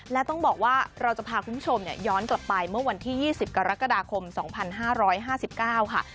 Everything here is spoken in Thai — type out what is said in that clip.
และต้องบอกว่าเราจะพาคุณผู้ชมย้อนกลับไปเมื่อวันที่๒๐กรกฎาคม๒๕๕๙ค่ะ